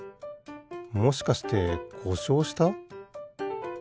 もしかしてこしょうした？